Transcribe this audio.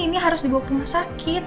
ini harus dibawa ke rumah sakit